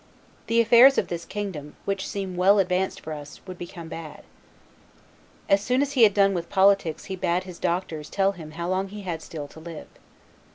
the affairs of this kingdom, which seem well advanced for us, would become bad." As soon as he had done with politics he bade his doctors tell him how long he had still to live.